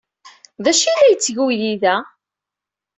D acu ay la yetteg uydi-a da?